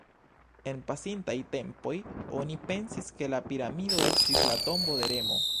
En pasintaj tempoj oni pensis ke la piramido estis la tombo de Remo.